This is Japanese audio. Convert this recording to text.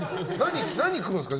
何食うんですか？